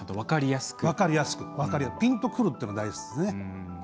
分かりやすくぴんとくるというのが大事です。